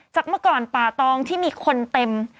เมื่อก่อนป่าตองที่มีคนเต็ม